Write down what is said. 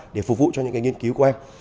để phục vụ cho những nghiên cứu của em